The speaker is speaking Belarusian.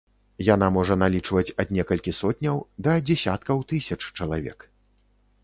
Яна можа налічваць ад некалькі сотняў да дзесяткаў тысяч чалавек.